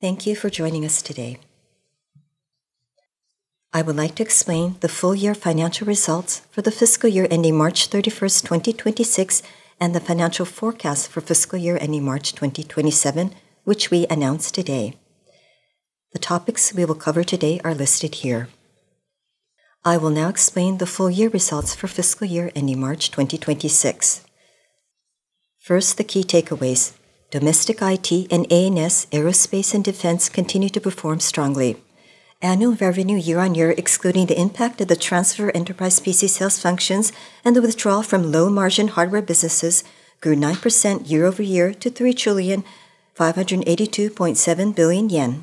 Thank you for joining us today. I would like to explain the full year financial results for the fiscal year ending March 31, 2026, and the financial forecast for fiscal year ending March 2027, which we announced today. The topics we will cover today are listed here. I will now explain the full year results for fiscal year ending March 2026. First, the key takeaways. Domestic IT and A&S, Aerospace and Defense continue to perform strongly. Annual revenue year-on-year, excluding the impact of the transfer enterprise PC sales functions and the withdrawal from low margin hardware businesses grew 9% year-over-year to 3,582.7 billion yen.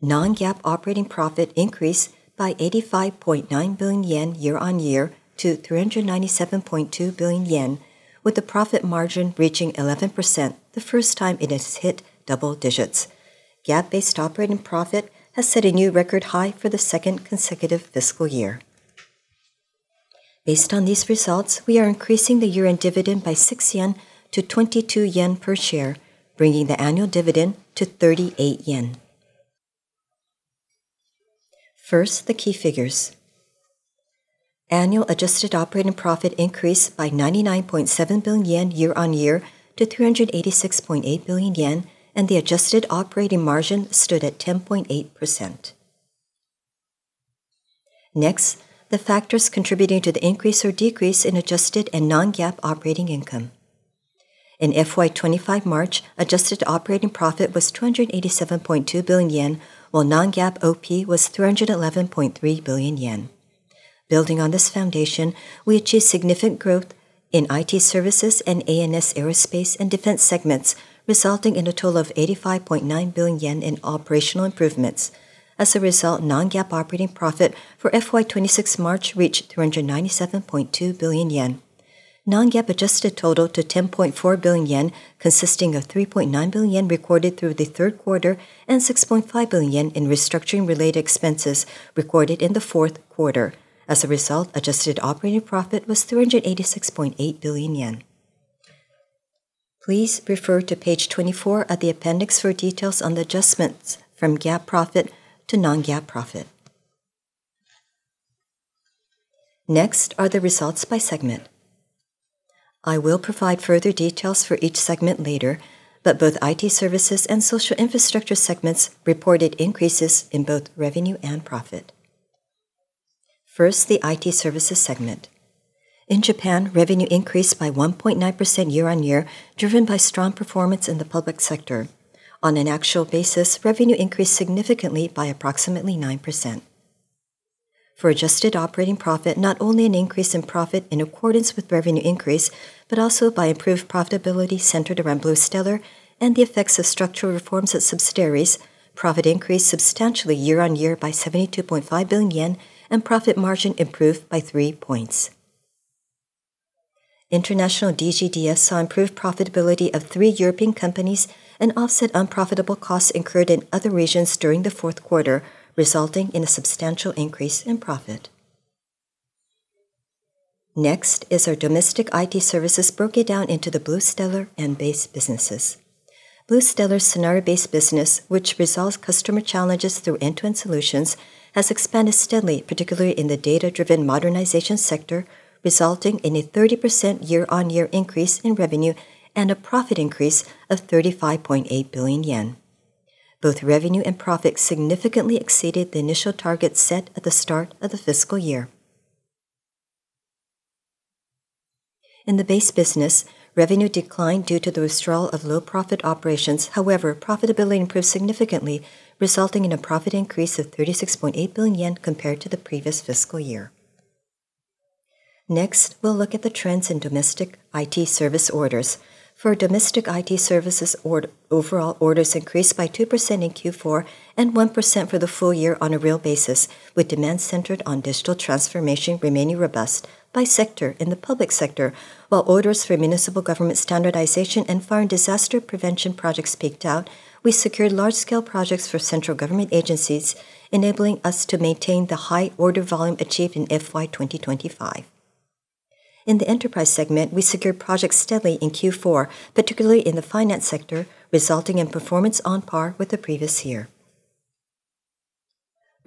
Non-GAAP operating profit increased by 85.9 billion yen year-on-year to 397.2 billion yen with the profit margin reaching 11% the first time it has hit double digits. GAAP-based operating profit has set a new record high for the second consecutive fiscal year. Based on these results, we are increasing the year-end dividend by 6 yen to 22 yen per share, bringing the annual dividend to 38 yen. First, the key figures. Annual adjusted operating profit increased by 99.7 billion yen year on year to 386.8 billion yen and the adjusted operating margin stood at 10.8%. Next, the factors contributing to the increase or decrease in adjusted and non-GAAP operating income. In FY 2025 March, adjusted operating profit was 287.2 billion yen, while non-GAAP OP was 311.3 billion yen. Building on this foundation, we achieved significant growth in IT services and A&S Aerospace and Defense segments, resulting in a total of 85.9 billion yen in operational improvements. As a result, non-GAAP operating profit for FY 2026 March reached 397.2 billion yen. Non-GAAP adjusted total to 10.4 billion yen, consisting of 3.9 billion yen recorded through the third quarter and 6.5 billion yen in restructuring related expenses recorded in the fourth quarter. As a result, adjusted operating profit was 386.8 billion yen. Please refer to page 24 of the appendix for details on the adjustments from GAAP profit to non-GAAP profit. Next are the results by segment. I will provide further details for each segment later, but both IT services and social infrastructure segments reported increases in both revenue and profit. First, the IT services segment. In Japan, revenue increased by 1.9% year-on-year, driven by strong performance in the public sector. On an actual basis, revenue increased significantly by approximately 9%. For adjusted operating profit, not only an increase in profit in accordance with revenue increase, but also by improved profitability centered around BluStellar and the effects of structural reforms at subsidiaries, profit increased substantially year-on-year by 72.5 billion yen and profit margin improved by three points. International DGDF saw improved profitability of three European companies and offset unprofitable costs incurred in other regions during the fourth quarter, resulting in a substantial increase in profit. Is our domestic IT services broken down into the BluStellar and Base businesses. BluStellar's scenario-based business, which resolves customer challenges through end-to-end solutions, has expanded steadily, particularly in the data-driven modernization sector, resulting in a 30% year-on-year increase in revenue and a profit increase of 35.8 billion yen. Both revenue and profit significantly exceeded the initial targets set at the start of the fiscal year. In the Base business, revenue declined due to the withdrawal of low profit operations. Profitability improved significantly, resulting in a profit increase of 36.8 billion yen compared to the previous fiscal year. We'll look at the trends in domestic IT service orders. For domestic IT services overall, orders increased by 2% in Q4 and 1% for the full year on a real basis, with demand centered on digital transformation remaining robust by sector. In the public sector, while orders for municipal government standardization and fire and disaster prevention projects peaked out, we secured large-scale projects for central government agencies, enabling us to maintain the high order volume achieved in FY 2025. In the enterprise segment, we secured projects steadily in Q4, particularly in the finance sector, resulting in performance on par with the previous year.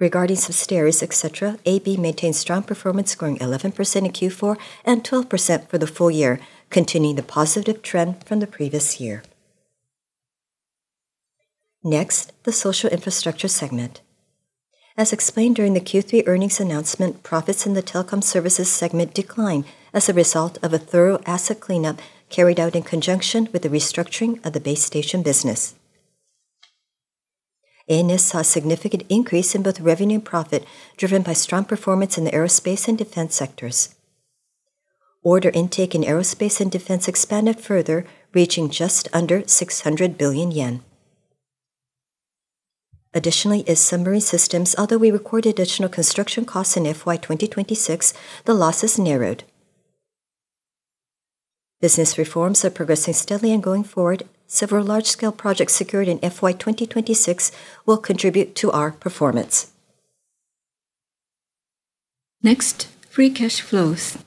Regarding subsidiaries, et cetera, AB maintained strong performance, growing 11% in Q4 and 12% for the full year, continuing the positive trend from the previous year. The social infrastructure segment. As explained during the Q3 earnings announcement, profits in the telecom services segment declined as a result of a thorough asset cleanup carried out in conjunction with the restructuring of the base station business. A&S saw a significant increase in both revenue and profit, driven by strong performance in the aerospace and defense sectors. Order intake in aerospace and defense expanded further, reaching just under 600 billion yen. Submarine systems, although we recorded additional construction costs in FY 2026, the losses narrowed. Business reforms are progressing steadily and going forward. Several large scale projects secured in FY 2026 will contribute to our performance. Next, free cash flows.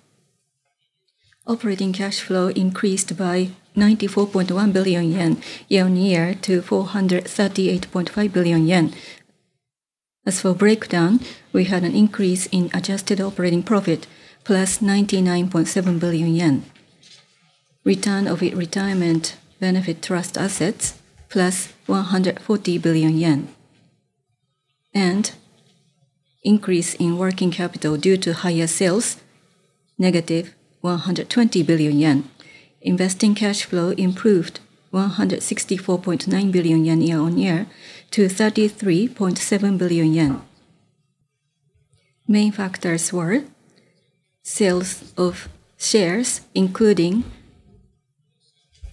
Operating cash flow increased by 94.1 billion yen year-on-year to 438.5 billion yen. As for breakdown, we had an increase in adjusted operating profit plus 99.7 billion yen. Return of retirement benefit trust assets plus 140 billion yen. Increase in working capital due to higher sales -120 billion yen. Investing cash flow improved 164.9 billion yen year-on-year to 33.7 billion yen. Main factors were sales of shares, including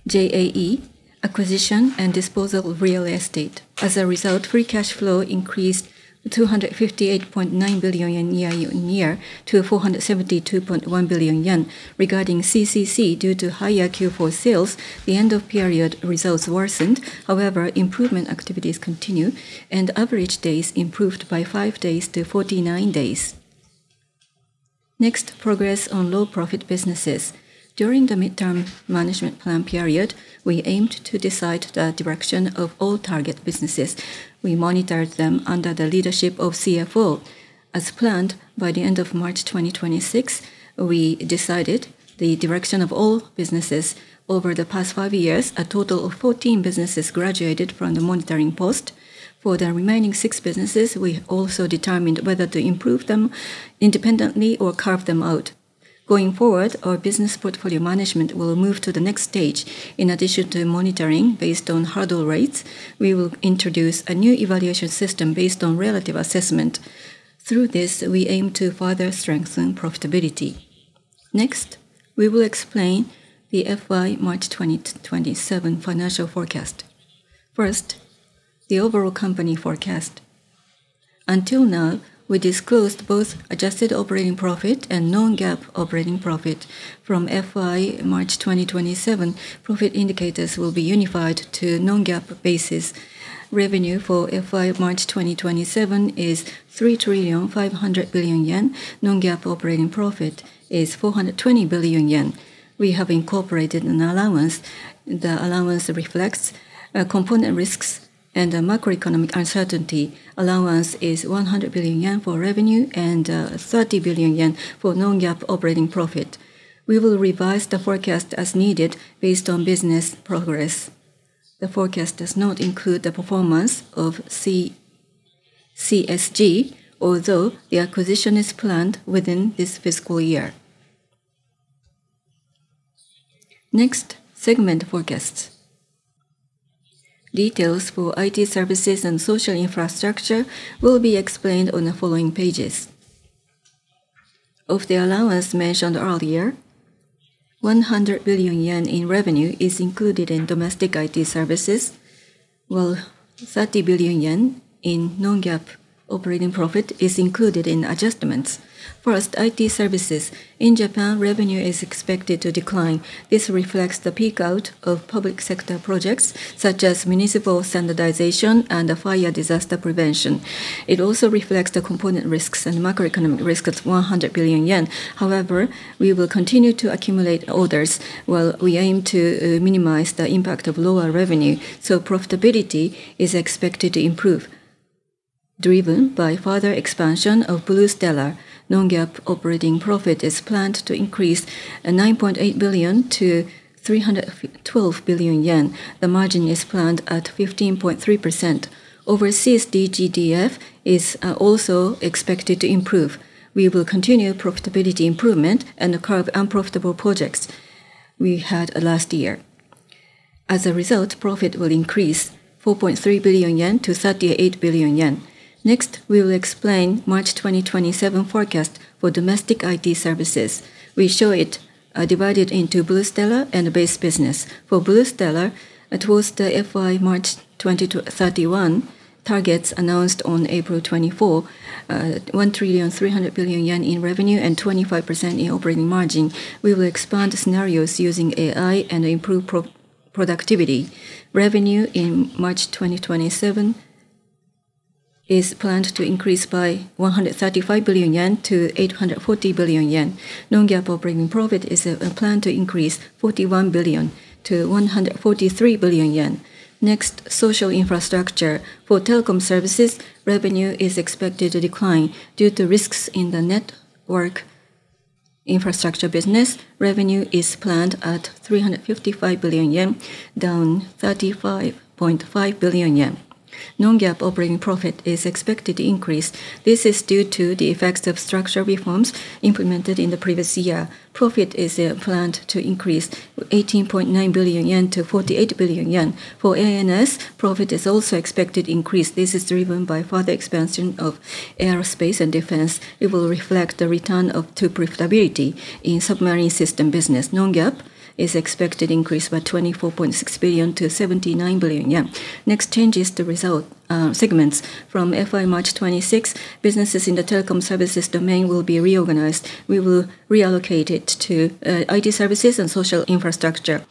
JAE acquisition and disposal of real estate. As a result, free cash flow increased 258.9 billion yen year-on-year to 472.1 billion yen. Regarding CCC, due to higher Q4 sales, the end of period results worsened. Improvement activities continue and average days improved by five days to 49 days. Progress on low profit businesses. During the midterm management plan period, we aimed to decide the direction of all target businesses. We monitored them under the leadership of CFO. As planned, by the end of March 2026, we decided the direction of all businesses. Over the past five years, a total of 14 businesses graduated from the monitoring post. For the remaining six businesses, we also determined whether to improve them independently or carve them out. Going forward, our business portfolio management will move to the next stage. In addition to monitoring based on hurdle rates, we will introduce a new evaluation system based on relative assessment. Through this, we aim to further strengthen profitability. We will explain the FY 2027 financial forecast. The overall company forecast. Until now, we disclosed both adjusted operating profit and non-GAAP operating profit. From FY March 2027, profit indicators will be unified to non-GAAP basis. Revenue for FY March 2027 is 3,500 billion yen. Non-GAAP operating profit is 420 billion yen. We have incorporated an allowance. The allowance reflects component risks and a macroeconomic uncertainty. Allowance is 100 billion yen for revenue and 30 billion yen for non-GAAP operating profit. We will revise the forecast as needed based on business progress. The forecast does not include the performance of CSG, although the acquisition is planned within this fiscal year. Next, segment forecasts. Details for IT services and social infrastructure will be explained on the following pages. Of the allowance mentioned earlier, 100 billion yen in revenue is included in domestic IT services, while 30 billion yen in non-GAAP operating profit is included in adjustments. First, IT services. In Japan, revenue is expected to decline. This reflects the peak out of public sector projects such as municipal standardization and fire and disaster prevention. It also reflects the component risks and macroeconomic risks of 100 billion yen. However, we will continue to accumulate orders, while we aim to minimize the impact of lower revenue, so profitability is expected to improve. Driven by further expansion of BluStellar, non-GAAP operating profit is planned to increase 9.8 billion to 312 billion yen. The margin is planned at 15.3%. Overseas, DGDF is also expected to improve. We will continue profitability improvement and curb unprofitable projects we had last year. As a result, profit will increase 4.3 billion yen to 38 billion yen. Next, we will explain March 2027 forecast for domestic IT services. We show it divided into BluStellar and base business. For BluStellar, towards the FY March 2031 targets announced on April 24, 1,300 billion yen in revenue and 25% in operating margin. We will expand scenarios using AI and improve productivity. Revenue in March 2027 is planned to increase by 135 billion yen to 840 billion yen. Non-GAAP operating profit is planned to increase 41 billion to 143 billion yen. Next, social infrastructure. For telecom services, revenue is expected to decline due to risks in the network infrastructure business. Revenue is planned at 355 billion yen, down 35.5 billion yen. Non-GAAP operating profit is expected to increase. This is due to the effects of structure reforms implemented in the previous year. Profit is planned to increase 18.9 billion yen to 48 billion yen. For ANS, profit is also expected increase. This is driven by further expansion of aerospace and defense. It will reflect the return to profitability in submarine system business. Non-GAAP is expected increase by 24.6 billion to 79 billion yen. Next, changes to result segments. From FY March 2026, businesses in the telecom services domain will be reorganized. We will reallocate it to IT services and social infrastructure.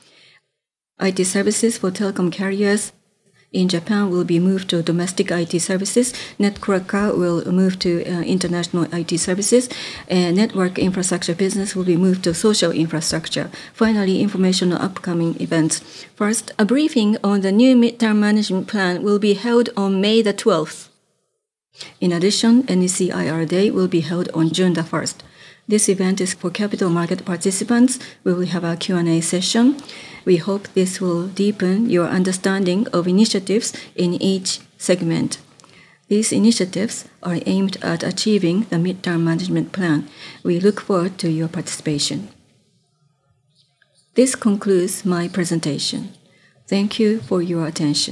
IT services for telecom carriers in Japan will be moved to domestic IT services. Netcracker will move to international IT services and network infrastructure business will be moved to social infrastructure. Finally, information on upcoming events. First, a briefing on the new midterm management plan will be held on May the 12th. In addition, NEC IR Day will be held on June the 1st. This event is for capital market participants. We will have a Q&A session. We hope this will deepen your understanding of initiatives in each segment. These initiatives are aimed at achieving the midterm management plan. We look forward to your participation. This concludes my presentation. Thank you for your attention.